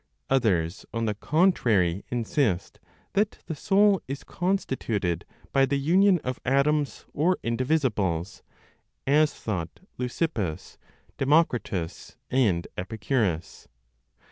Others, on the contrary, insist that the soul is constituted by the union of atoms or indivisibles (as thought Leucippus, Democritus and Epicurus.